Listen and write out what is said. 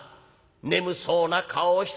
眠そうな顔をして」。